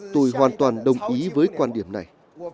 tôi hoàn toàn đồng ý với quan điểm này